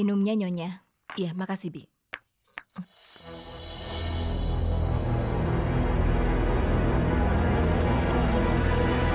jika momen bercinta saya akan pembunuh